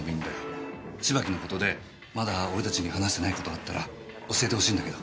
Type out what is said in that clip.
芝木の事でまだ俺たちに話してない事があったら教えてほしいんだけど。